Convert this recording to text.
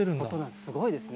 すごいですね。